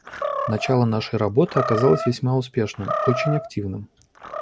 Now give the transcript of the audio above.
Начало нашей работы оказалось весьма успешным, очень активным.